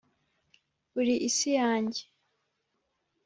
uri isi yanjye.